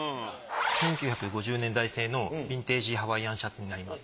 １９５０年代製のビンテージハワイアンシャツになります。